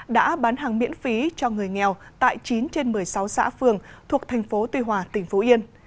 đã bán hàng miễn phí cho người nghèo tại chín trên một mươi sáu xã phường thuộc thành phố tuy hòa tỉnh phú yên